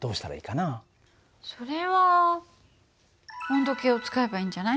それは温度計を使えばいいんじゃない？